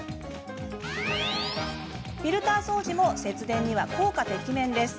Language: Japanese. フィルター掃除も節電には効果てきめんです。